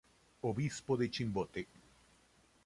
Obispo de Chimbote.